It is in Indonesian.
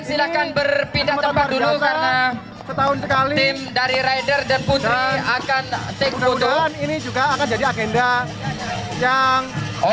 silahkan berpindah tempat dulu karena tim dari rider dan putri akan take photo